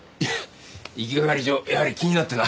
いきがかり上やはり気になってな。